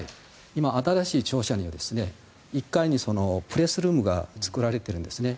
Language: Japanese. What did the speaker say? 今、新しい庁舎には１階にプレスルームが作られているんですね。